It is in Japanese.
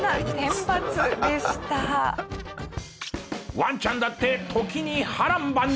ワンちゃんだって時に波乱万丈！